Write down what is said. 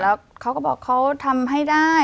แล้วเขาก็บอกเขาทำให้ได้